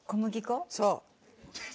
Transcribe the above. そう。